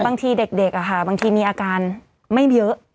บางทีเด็กบางทีมีอาการไม่เยอะ